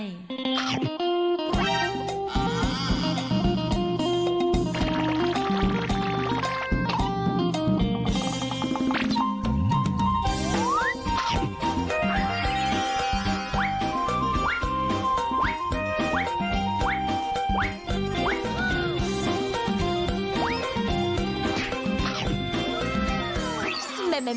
โอ้โฮ่ฮ่อฮ่อฮ่อฮ่อ